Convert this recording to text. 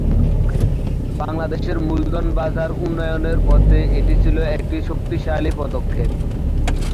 বাংলাদেশের মূলধন বাজার উন্নয়নের পথে এটি ছিল একটি শক্তিশালী পদক্ষেপ।